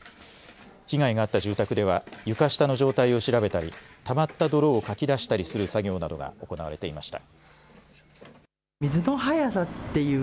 被害があった住宅では床下の状態を調べたりたまった泥をかき出したりする作業などが行われていました。